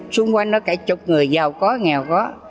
xung quanh nó cả chục người giàu có nghèo có